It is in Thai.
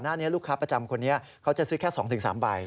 หน้านี้ลูกค้าประจำคนนี้เขาจะซื้อแค่๒๓ใบ